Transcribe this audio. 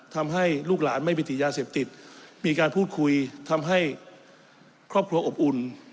ทำให้ลูกหลานไม่ไปติดยาเสพติดมีการพูดคุยทำให้ครอบครัวอบอุ่น